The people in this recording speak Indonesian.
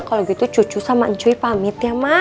kalau gitu cucu sama cui pamit ya mak